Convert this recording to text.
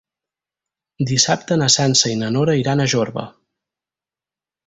Dissabte na Sança i na Nora iran a Jorba.